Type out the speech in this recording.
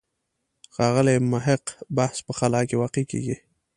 ښاغلي محق بحث په خلا کې واقع کېږي.